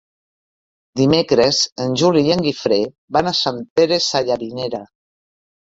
Dimecres en Juli i en Guifré van a Sant Pere Sallavinera.